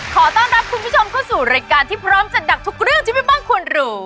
ขอต้อนรับคุณผู้ชมเข้าสู่รายการที่พร้อมจัดหนักทุกเรื่องที่แม่บ้านควรรู้